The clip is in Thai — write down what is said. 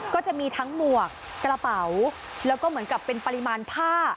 ก็จะมีทั้งหมวกกระเป๋าแล้วก็เหมือนกับเป็นปริมาณผ้า